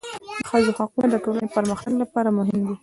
د ښځو حقونه د ټولنې پرمختګ لپاره مهم دي.